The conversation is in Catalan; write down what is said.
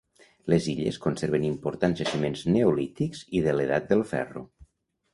Les illes conserven importants jaciments neolítics i de l'Edat del ferro.